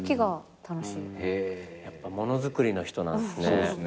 やっぱ物づくりの人なんですね。